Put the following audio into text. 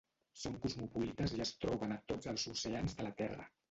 Són cosmopolites i es troben a tots els oceans de la Terra.